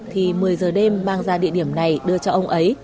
thì một mươi giờ đêm mang ra địa điểm này đưa cho ông ấy